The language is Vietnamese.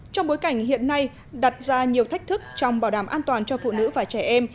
trong bối cảnh hiện nay đặt ra nhiều thách thức trong bảo đảm an toàn cho phụ nữ và trẻ em